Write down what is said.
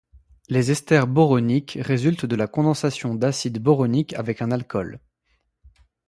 Les esters boroniques résultent de la condensation d'acides boroniques avec un alcool.